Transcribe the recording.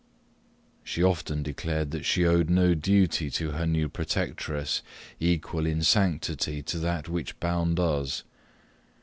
She often declared that she owed no duty to her new protectress equal in sanctity to that which bound us.